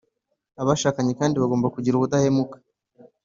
abashakanye kandi bagomba kugira ubudahemuka